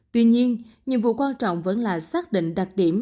tuy nhiên nhiệm vụ quan trọng vẫn là xác định đặc điểm